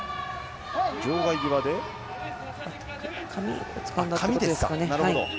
場外際で、髪ですかね。